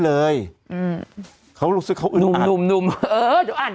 ใช่ก็ใช่เหมือนกัน